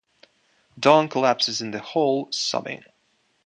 Dawn collapses in the hall, sobbing.